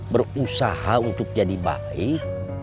berusaha untuk jadi baik